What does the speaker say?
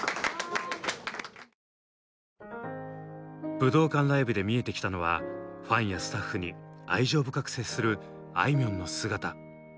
武道館ライブで見えてきたのはファンやスタッフに愛情深く接するあいみょんの姿。